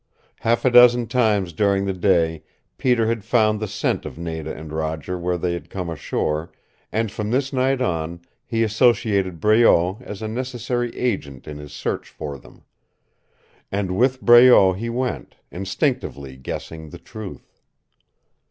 Half a dozen times during the day Peter had found the scent of Nada and Roger where they had come ashore, and from this night on he associated Breault as a necessary agent in his search for them. And with Breault he went, instinctively guessing the truth.